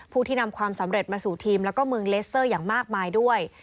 ผู้ที่นำความสำเร็จมาสู่ทีมแล้วก็เมืองเลสเตอร์อย่างมากมายด้วย